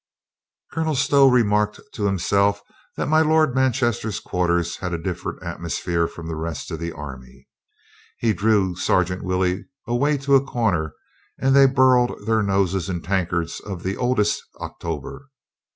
Colonel Stow remarked to himself that my Lord Manchester's quarters had a different atmosphere from the rest of the army. He drew Sergeant Wil JOAN NORMANDY SEES A FRIEND 183 ley away to a corner and they burled their noses in tankards of the oldest October.